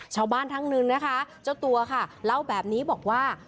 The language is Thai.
ชาวบ้านทั้งนึงเจ้าตัวเล่าแบบนี้บอกว่า